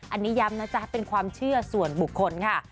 อันนี้ย้ำนะจ๊ะเป็นความเชื่อส่วนบุคคลค่ะ